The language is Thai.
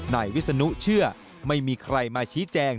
นายวิศนุเชื่อไม่มีใครมาชี้แจง